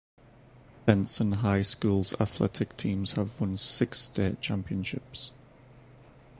Benson High School's athletic teams have won six state championships.